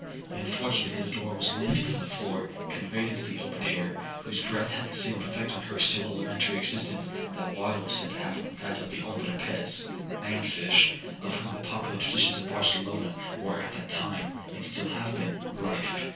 'The unfortunate Isidora was lifted from the floor, conveyed into the open air, whose breath had the same effect on her still elementary existence, that water was said to have on that of the ombre pez, (man fish), of whom the popular traditions of Barcelona were at that time, and still have been, rife.